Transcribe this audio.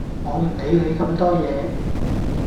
我唔理你咁多嘢